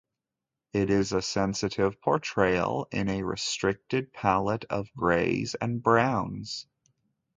It is a sensitive portrayal, in a restricted palette of greys and browns.